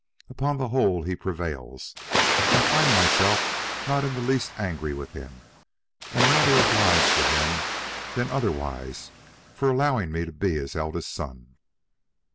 Upon the whole, he prevails. I find myself not in the least angry with him, and rather obliged to him than otherwise for allowing me to be his eldest son."